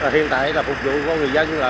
hiện tại là phục vụ của người dân là